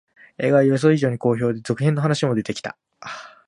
映画は予想以上に好評で、続編の話も出てきた